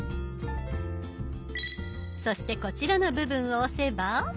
そしてこちらの部分を押せば。